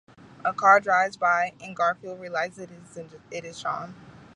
A car drives by and Garfield realizes it is Jon.